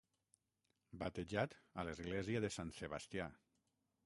Batejat a l'Església de Sant Sebastià.